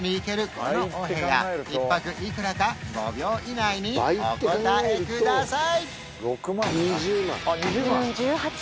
このお部屋１泊いくらか５秒以内にお答えください！